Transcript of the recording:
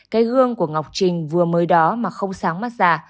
cái gương của ngọc trình vừa mới đó mà không sáng mắt ra